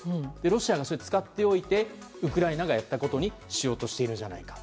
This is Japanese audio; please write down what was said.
ロシアが使っておいてウクライナがやったことにしようとしているんじゃないか。